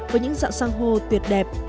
với những dạng san hô tuyệt đẹp